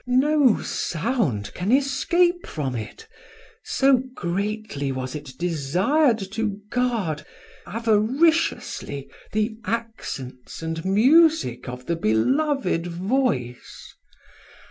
No sound can escape from it, so greatly was it desired to guard avariciously the accents and music of the beloved voice.